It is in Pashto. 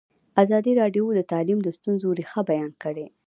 ازادي راډیو د تعلیم د ستونزو رېښه بیان کړې.